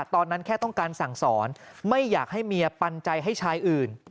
แค่ต้องการสั่งสอนไม่อยากให้เมียปันใจให้ชายอื่น